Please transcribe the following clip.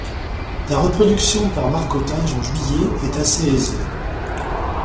La reproduction par marcottage en juillet est assez aisée.